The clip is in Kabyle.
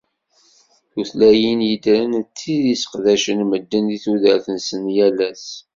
Tutlayin yeddren d tid i sseqdacen medden di tudert-nsen n yal ass.